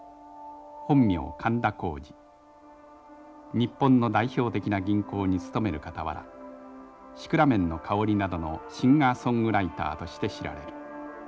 日本の代表的な銀行に勤めるかたわら「シクラメンのかほり」などのシンガーソングライターとして知られる。